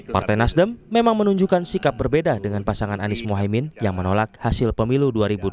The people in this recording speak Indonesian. partai nasdem memang menunjukkan sikap berbeda dengan pasangan anies mohaimin yang menolak hasil pemilu dua ribu dua puluh